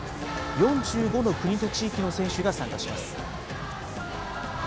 ４５の国と地域の選手が参加します。